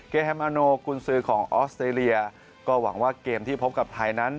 แฮมอาโนกุญซือของออสเตรเลียก็หวังว่าเกมที่พบกับไทยนั้น